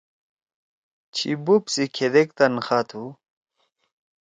چھی بوپ سی کھیدیک تنخواہ تُھو؟